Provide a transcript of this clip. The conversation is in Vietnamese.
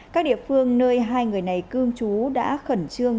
các địa phương nơi hai người này cư trú đã khẩn trương